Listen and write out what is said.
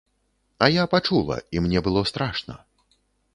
А я пачула, і мне было страшна.